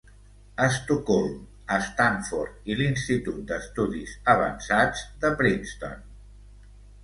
Estocolm, Stanford i l'Institut d'Estudis Avançats de Princeton.